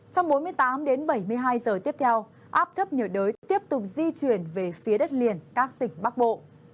trong bốn mươi tám đến bảy mươi hai giờ tiếp theo áp thấp nhiệt đới tiếp tục di chuyển về phía đất liền các tỉnh bắc bộ